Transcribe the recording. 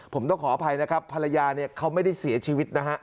ผมต้องขออภัยนะครับภรรยาเนี่ยเขาไม่ได้เสียชีวิตนะฮะ